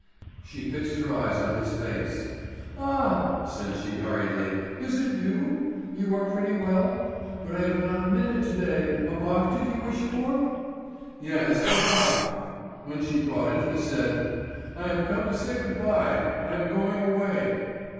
She fixed her eyes on his face. "Ah!" said she hurriedly. "Is it you? You are pretty well? But I have not a minute to day. A bock did you wish for?" "Yes, a bock!" When she brought it he said: "I have come to say good bye. I am going away."